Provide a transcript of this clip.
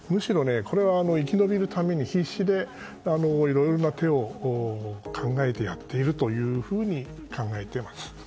むしろこれは生き残るために必死でいろいろな手を考えてやっているというふうに考えています。